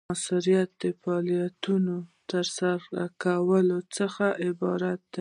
مؤثریت د فعالیتونو د ترسره کولو څخه عبارت دی.